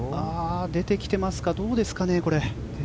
出てきてますかどうですかね。